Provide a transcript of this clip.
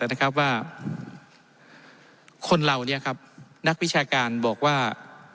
นะครับว่าคนเราเนี่ยครับนักวิชาการบอกว่า